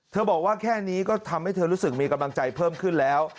บอกว่าแค่นี้ก็ทำให้เธอรู้สึกมีกำลังใจเพิ่มขึ้นแล้ว